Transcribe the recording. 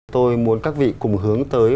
tôi muốn các vị cùng hướng tới